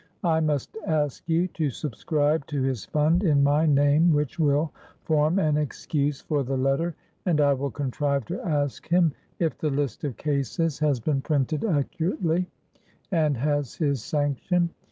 I must ask you to subscribe to his fund, in my name, which will form an excuse for the letter, and I will contrive to ask him if the list of cases has been printed accurately, and has his sanction.